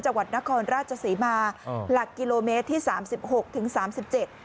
จังหวัดนครราชศรีมาอืมหลักกิโลเมตรที่สามสิบหกถึงสามสิบเจ็ด